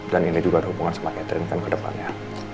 dan ini juga ada hubungan sama catherine kan kedepannya